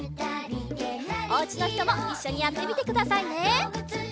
おうちのひともいっしょにやってみてくださいね！